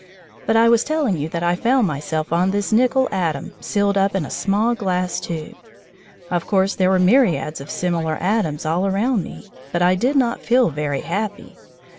But I was telling you that I found myself on this nickel atom sealed up in a small glass tube. Of course there were myriads of similar atoms all around me, but I did not feel very happy.